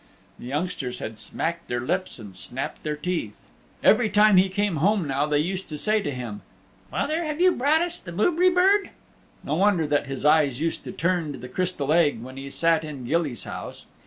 The youngsters had smacked their lips and snapped their teeth. Every time he came home now they used to say to him "Father, have you brought us the Boobrie Bird?" No wonder that his eyes used to turn to the Crystal Egg when he sat in Gilly's house.